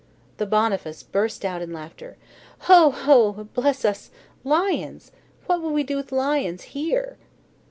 The Boniface burst out in laughter. "Ho, ho! bless us! lions! What would we do with lions here?"